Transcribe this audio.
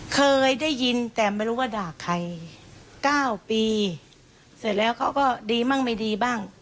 เคยได้ยินแต่ไม่รู้ว่าด่าใคร๙ปีเสร็จแล้วเขาก็ดีบ้างไม่ดีบ้าง